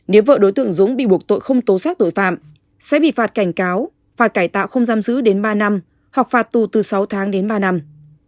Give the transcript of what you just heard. nếu vợ đối tượng dũng bị buộc tội không tố xác tội phạm sẽ bị phạt cảnh cáo phạt cải tạo không giam giữ đến ba năm hoặc phạt tù từ sáu tháng đến ba năm